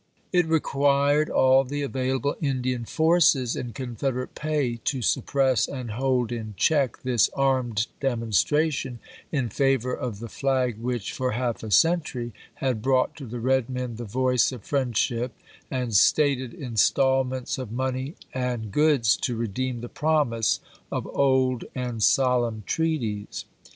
It required all the available Indian forces in Confederate pay to sup press and hold in check this armed demonstration in favor of the flag which, for half a century, had brought to the red men the voice of friendship and stated instalments of money and goods to re deem the promise of old and solemn treaties.